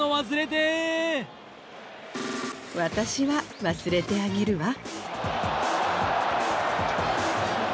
私は忘れてあげるわ。